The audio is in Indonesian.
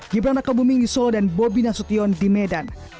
gibran raka buminggi solo dan bobi nasution di medan